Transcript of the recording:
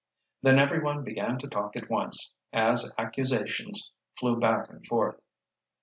Then everyone began to talk at once, as accusations flew back and forth.